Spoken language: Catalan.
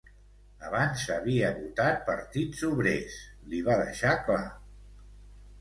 Abans havia votat partits obrers, li va deixar clar.